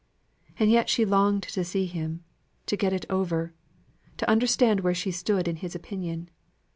And yet she longed to see him, to get it over; to understand where she stood in his opinion.